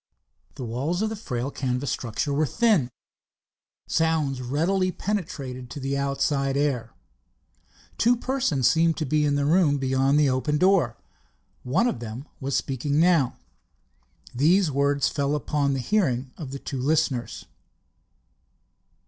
The walls of the frail canvas structure were thin. Sounds readily penetrated to the outside air. Two persons seemed to be in the room beyond the open door. One of them was speaking now. These words fell upon the hearing of the two listeners.